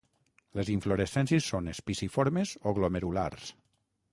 Les inflorescències són espiciformes o glomerulars.